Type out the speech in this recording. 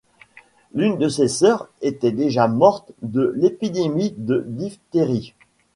L'une de ses sœurs était déjà morte de l'épidémie de diphtérie.